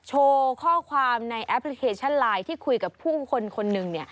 โชว์ข้อความในแอปพลิเคชันไลน์ที่คุยกับผู้คนคนหนึ่ง